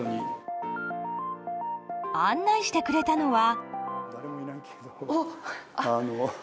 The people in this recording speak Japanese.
案内してくれたのは。